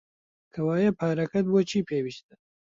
کەوایە پارەکەت بۆ چی پێویستە؟